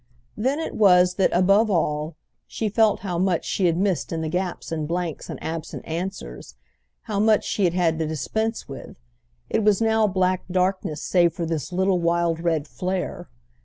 Then it was that, above all, she felt how much she had missed in the gaps and blanks and absent answers—how much she had had to dispense with: it was now black darkness save for this little wild red flare.